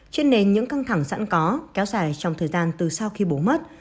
trên nền những căng thẳng sẵn có kéo dài trong thời gian từ sau khi bố mất